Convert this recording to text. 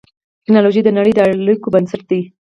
ټکنالوجي د نړۍ د اړیکو بنسټ دی.